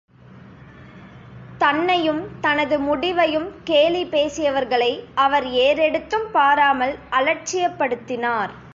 தன்னையும் தனது முடிவையும் கேலி பேசியவர்களை அவர் ஏறெடுத்தும் பாராமல் அலட்சியப்படுத்தினார்!